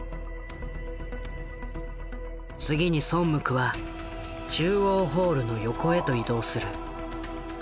次にソンムクは中央ホールの横へと移動する。